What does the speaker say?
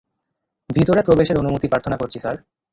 ভিতরে প্রবেশের অনুমতি প্রার্থনা করছি, স্যার!